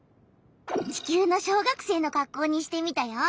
地球の小学生のかっこうにしてみたよ。